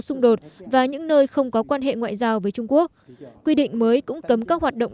xung đột và những nơi không có quan hệ ngoại giao với trung quốc quy định mới cũng cấm các hoạt động